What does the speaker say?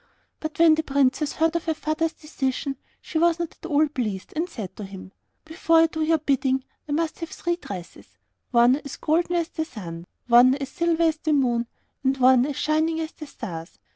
But when the Princess heard of her father's decision, she was not at all pleased, and said to him, 'Before I do your bidding, I must have three dresses; one as golden as the sun, one as silver as the moon, and one as shining as the stars.